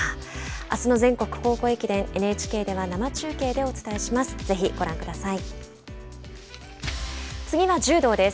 あすの全国高校駅伝ＮＨＫでは生中継でお伝えします。